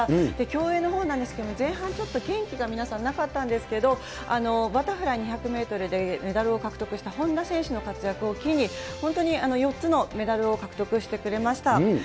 競泳のほうなんですけども、前半ちょっと、元気が皆さんなかったんですけど、バタフライ２００メートルでメダルを獲得した本多選手の活躍を機に、本当に４つのメダルを獲得してくれました。